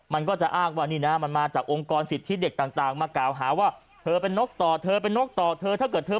มันก็จะอ้ากว่านี่นะมันมาจากองค์กรสิทธิสเด็กต่างมากราง